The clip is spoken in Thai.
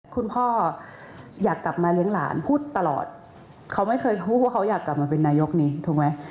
คุณพ่ออยากกลับมาเลี้ยงหลานพูดตลอดเขาไม่เคยพูดว่าเขาอยากกลับมาเป็นนายกนี้ถูกไหม